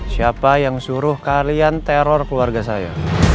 siapa yang suruh kalian teror keluarga saya